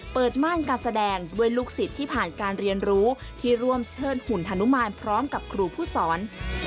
ม่านการแสดงด้วยลูกศิษย์ที่ผ่านการเรียนรู้ที่ร่วมเชิดหุ่นฮนุมานพร้อมกับครูผู้สอน